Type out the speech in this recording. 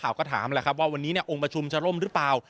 ว่าวันนี้องค์ประชุมจะล่มหรือเปล่า